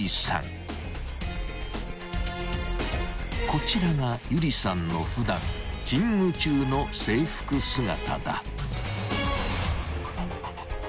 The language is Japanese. ［こちらが有理さんの普段勤務中の制服姿だ］